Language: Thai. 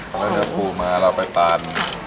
ก็เกิดปูมาเราไปปั่น